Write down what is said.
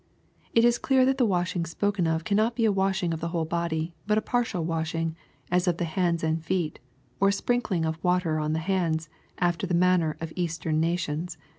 It is clear that the washing spoken of cannot be a washing of the whole body, but a partial washing, as of the hands and feet, or a sprinkling of water on the hands, after the manner of Eastern na tions.